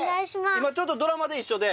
今ちょっとドラマで一緒で。